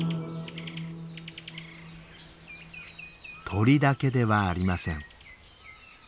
鳥だけではありません。